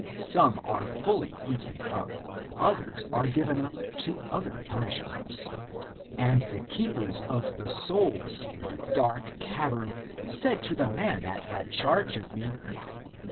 Some are fully eaten up, others are given up to other punishments. And the keepers of the souls in the dark cavern said to the man that had charge of me.